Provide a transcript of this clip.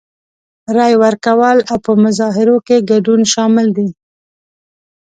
رای ورکول او په مظاهرو کې ګډون شامل دي.